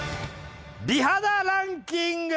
美肌ランキング！